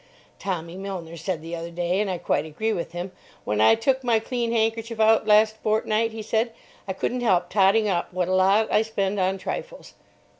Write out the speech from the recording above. Tommy Milner said the other day, and I quite agree with him, "When I took my clean handkerchief out last fortnight," he said, "I couldn't help totting up what a lot I spend on trifles."